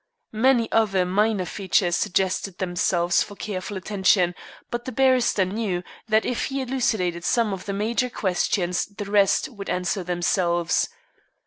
Many other minor features suggested themselves for careful attention, but the barrister knew that if he elucidated some of the major questions the rest would answer themselves.